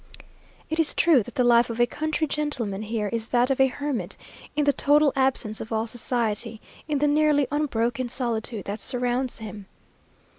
It is true that the life of a country gentleman here is that of a hermit, in the total absence of all society, in the nearly unbroken solitude that surrounds him.